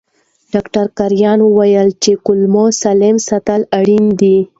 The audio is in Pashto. ډاکټر کرایان وویل چې کولمو سالم ساتل اړین دي.